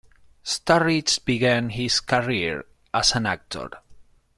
Sturridge began his career as an actor.